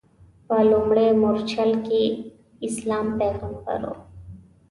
په لومړۍ مورچله کې اسلام پیغمبر و.